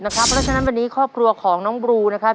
เพราะฉะนั้นวันนี้ครอบครัวของน้องบลูนะครับ